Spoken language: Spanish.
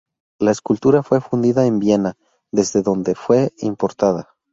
La escultura fue fundida en Viena, desde donde fue importada.